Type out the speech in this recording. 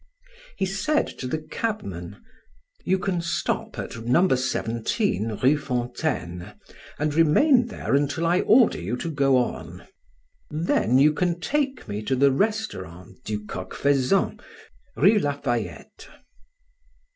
He said to the cabman: "You can stop at No. 17 Rue Fontaine, and remain there until I order you to go on. Then you can take me to the restaurant Du Coq Faisan, Rue Lafayette."